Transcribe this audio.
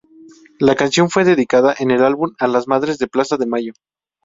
La canción fue dedicada en el álbum a las Madres de Plaza de Mayo.